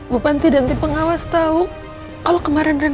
bupanti dan tim pengawas tahu kalau kemarin rena hilang